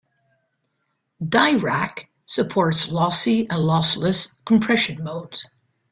Dirac supports lossy and lossless compression modes.